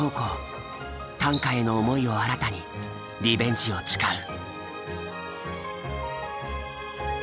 短歌への思いを新たにリベンジを誓う。